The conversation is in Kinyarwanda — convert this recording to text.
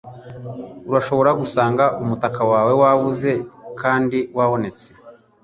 Urashobora gusanga umutaka wawe wabuze kandi wabonetse.